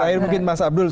akhirnya mungkin mas abdul